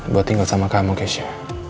buat tinggal sama kamu keisha